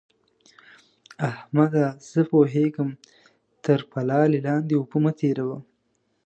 احمده! زه پوهېږم؛ تر پلالې لاندې اوبه مه تېروه.